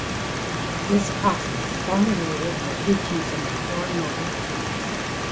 This process is formulated in the teachings on the Four Noble Truths.